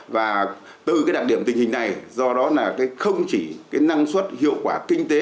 và từ đặc điểm tình hình này do đó không chỉ năng suất hiệu quả kinh tế